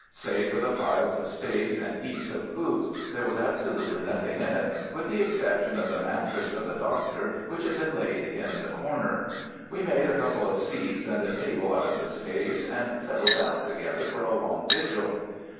Save for the piles of staves and heaps of hoops there was absolutely nothing in it, with the exception of the mattress for the Doctor, which had been laid in the corner. We made a couple of seats and a table out of the staves, and settled down together for a long vigil.